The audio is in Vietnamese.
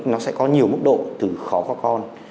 nó sẽ có nhiều mức độ từ khó có con